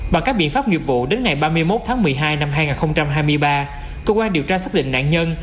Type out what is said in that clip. bằng các biện pháp nghiệp vụ đến ngày ba mươi một tháng một mươi hai năm hai nghìn hai mươi ba cơ quan điều tra xác định nạn nhân